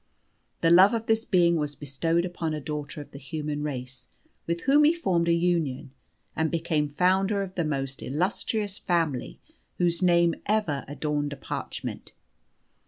The love of this being was bestowed upon a daughter of the human race, with whom he formed a union, and became founder of the most illustrious family whose name ever adorned a parchment.